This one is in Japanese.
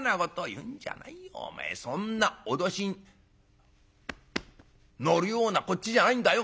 お前そんな脅しに乗るようなこっちじゃないんだよ。